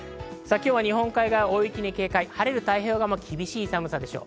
今日は日本海側は大雪に警戒、晴れる太平洋側も厳しい寒さでしょう。